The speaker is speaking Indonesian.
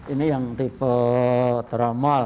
ini yang tipe tromol